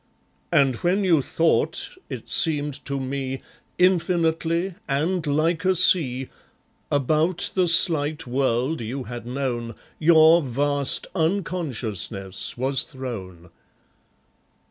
And when you thought, it seemed to me, Infinitely, and like a sea, About the slight world you had known Your vast unconsciousness was thrown.